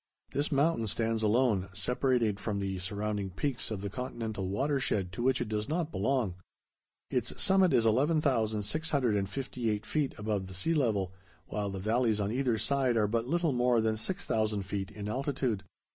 This mountain stands alone, separated from the surrounding peaks of the continental watershed to which it does not belong. Its summit is 11,658 feet above the sea level, while the valleys on either side are but little more than 6000 feet in altitude.